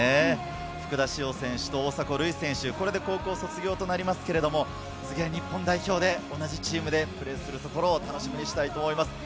福田師王選手と大迫塁選手、これで高校卒業となりますが、次は日本代表で同じチームでプレーするところを楽しみにしたいと思います。